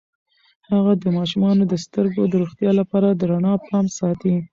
هغه د ماشومانو د سترګو د روغتیا لپاره د رڼا پام ساتي.